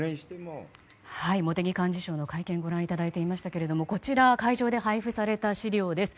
茂木幹事長の会見をご覧いただいていましたけれどもこちら、会場で配布された資料です。